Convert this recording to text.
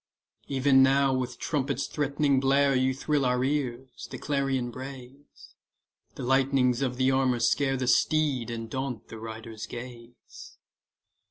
E'en now with trumpet's threatening blare You thrill our ears; the clarion brays; The lightnings of the armour scare The steed, and daunt the rider's gaze.